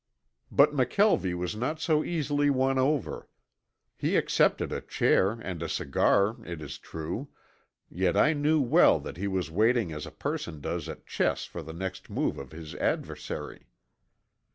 But McKelvie was not so easily won over. He accepted a chair and a cigar, it is true, yet I knew well that he was waiting as a person does at chess for the next move of his adversary.